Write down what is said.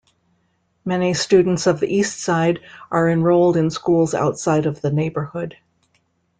Many students of the East Side are enrolled in schools outside of the neighborhood.